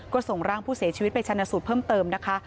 ก็ส่งร่างผู้เสียชีวิตไปชนะสูตรเพิ่มเติมนะคะ